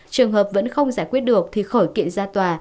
trường hợp vẫn không giải quyết được thì khởi kiện ra tòa